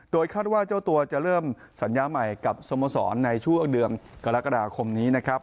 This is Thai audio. คาดว่าเจ้าตัวจะเริ่มสัญญาใหม่กับสโมสรในช่วงเดือนกรกฎาคมนี้นะครับ